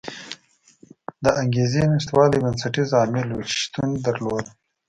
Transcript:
د انګېزې نشتوالی بنسټیز عامل و چې شتون درلود.